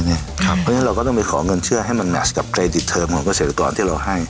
เพราะฉะนั้นเราก็ต้องไปขอเงินเชื่อให้มันแมชกับเครดิตเทอมของเกษตรกรที่เราให้